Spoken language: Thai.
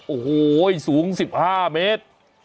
โอ้โหสูง๑๕เมตร